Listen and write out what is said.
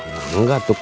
annoyant ah pak